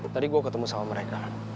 tadi gue ketemu sama mereka